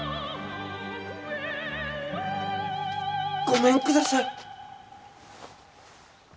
ごめんください。